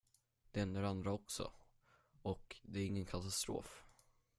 Det händer andra också, och det är ingen katastrof.